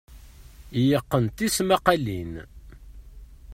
Yeqqen tismaqqalin.